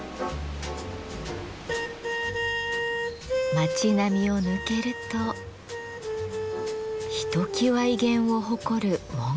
街並みを抜けるとひときわ威厳を誇る門構え。